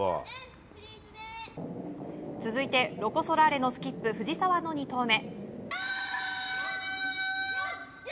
続いてロコ・ソラーレのスキップ藤澤の２投目。